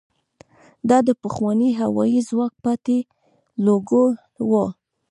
دا د پخواني هوايي ځواک پاتې لوګو وه.